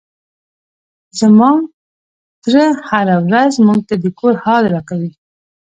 زما تره هره ورځ موږ ته د کور حال راکوي.